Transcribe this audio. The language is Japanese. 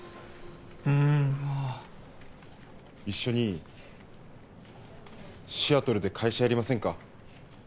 うわ一緒にシアトルで会社やりませんか？